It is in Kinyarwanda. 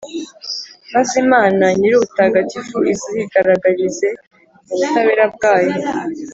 maze Imana Nyirubutagatifu izigaragarize mu butabera bwayo.